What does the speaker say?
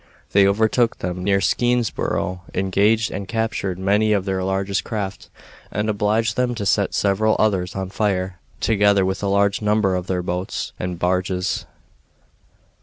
They overtook them near Skenesborough, engaged and captured many of their largest craft, and obliged them to set several others on fire, together with a large number of their boats and barges.